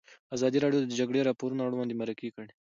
ازادي راډیو د د جګړې راپورونه اړوند مرکې کړي.